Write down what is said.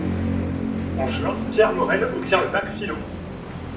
En juin, Pierre Morel obtient le bac philo.